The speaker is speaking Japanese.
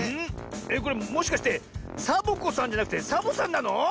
これもしかしてサボ子さんじゃなくてサボさんなの？